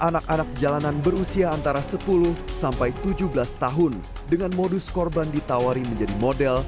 anak anak jalanan berusia antara sepuluh sampai tujuh belas tahun dengan modus korban ditawari menjadi model